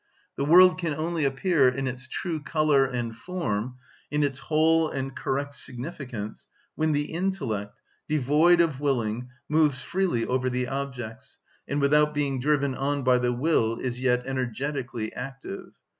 The world can only appear in its true colour and form, in its whole and correct significance, when the intellect, devoid of willing, moves freely over the objects, and without being driven on by the will is yet energetically active.